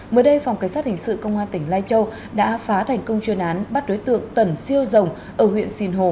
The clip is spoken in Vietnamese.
mới đây phòng cảnh sát hình sự công an tỉnh lai châu đã phá thành công chuyên án bắt đối tượng tẩn siêu rồng ở huyện sìn hồ